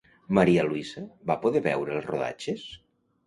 María Luisa va poder veure els rodatges?